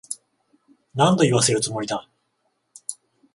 何度言わせるつもりだ。